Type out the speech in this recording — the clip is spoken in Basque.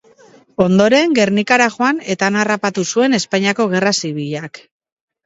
Ondoren Gernikara joan eta han harrapatu zuen Espainiako Gerra Zibilak.